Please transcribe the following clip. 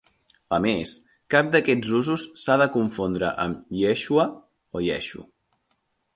A més, cap d'aquests usos s'ha de confondre amb Yeshua o Yeshu.